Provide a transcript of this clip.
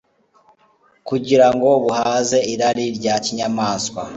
kugira ngo buhaze irari rya kinyamaswa